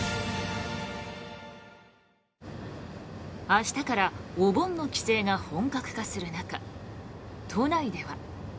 明日からお盆の帰省が本格化する中、都内では。